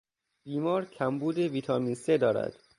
بیمار کمبود ویتامین ث دارد.